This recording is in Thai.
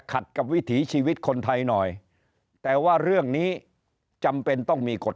ขัดกับวิถีชีวิตคนไทยหน่อยแต่ว่าเรื่องนี้จำเป็นต้องมีกฎ